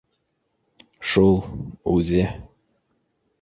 ...Шул, үҙе...